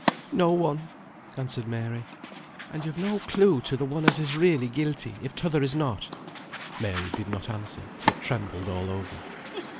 "No one!" answered Mary. "And you've no clue to the one as is really guilty, if t'other is not?" Mary did not answer, but trembled all over.